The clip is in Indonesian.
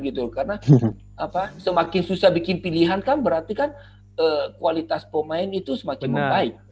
karena semakin susah bikin pilihan berarti kualitas pemain itu semakin membaik